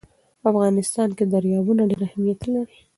په افغانستان کې دریابونه ډېر اهمیت لري.